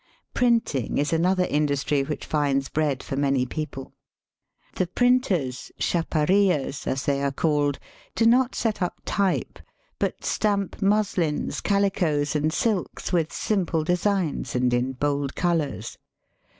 Printing is another industry which finds bread for many people. The printers — chaparias, as they are called — do not set up type, but stamp muslins, calicoes, and silks with simple designs and in bold colours.